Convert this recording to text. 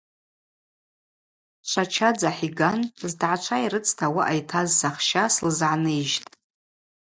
Швачадза хӏиган зтгӏачва йрыцта ауаъа йтаз сахща слызгӏаныйыжьтӏ.